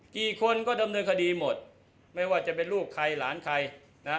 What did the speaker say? กี่คนก็ดำเนินคดีหมดไม่ว่าจะเป็นลูกใครหลานใครนะฮะ